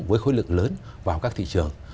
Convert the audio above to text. với khối lực lớn vào các thị trường